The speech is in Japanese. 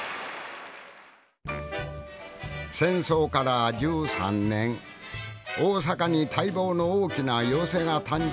戦争から１３年大阪に待望の大きな寄席が誕生。